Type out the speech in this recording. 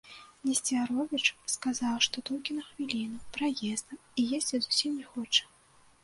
Несцяровіч сказаў, што толькі на хвіліну, праездам і есці зусім не хоча.